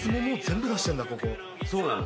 そうなの。